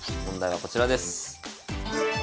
問題はこちらです。